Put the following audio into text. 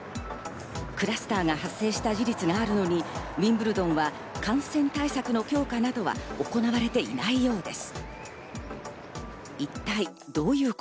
クラスターが発生した事実があるのに、ウィンブルドンは感染対策の強化などは行われていないようです。